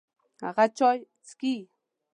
هغه چای چیکي.